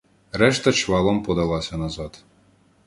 Решта чвалом подалася назад.